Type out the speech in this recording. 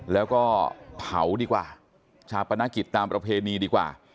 แล้วก็เผาดีกว่าชาปนกิจตามประเพณีดีกว่า